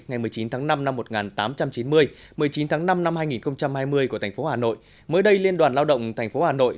ngày một mươi chín tháng năm năm một nghìn tám trăm chín mươi một mươi chín tháng năm năm hai nghìn hai mươi của thành phố hà nội mới đây liên đoàn lao động tp hà nội